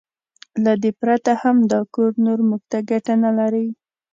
له دې پرته هم دا کور نور موږ ته ګټه نه لري.